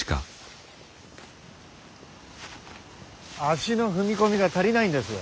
足の踏み込みが足りないんです。